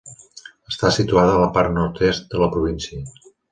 Està situada a la part nord-est de la província.